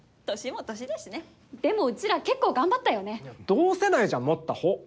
同世代じゃもったほう。